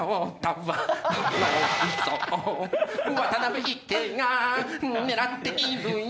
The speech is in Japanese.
渡辺いっけいが狙っているよ